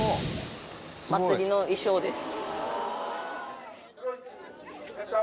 祭りの衣装です。